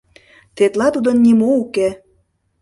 Тетла тудын нимо уке.